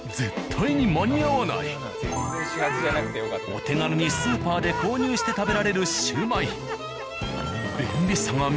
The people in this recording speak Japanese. お手軽にスーパーで購入して食べられるシュウマイ。